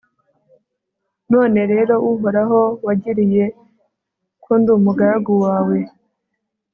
none rero, uhoraho, wagiriye ko ndi umugaragu wawe